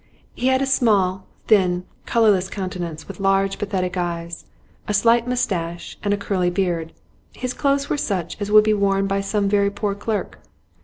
He had a small, thin, colourless countenance, with large, pathetic eyes; a slight moustache and curly beard. His clothes were such as would be worn by some very poor clerk.